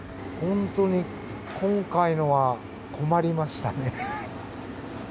本当に、今回のは困りましたね。